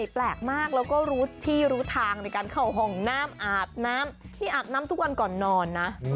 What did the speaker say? แปลกมากแล้วก็รู้ที่รู้ทางในการเข้าห้องน้ำอาบน้ำนี่อาบน้ำทุกวันก่อนนอนนะ